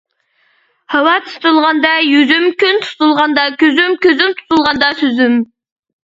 ھاۋا تۇتۇلغاندا يۈزۈم كۈن تۇتۇلغاندا كۆزۈم كۆزۈم تۇتۇلغاندا سۆزۈم.